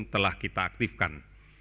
telah kita aktifkan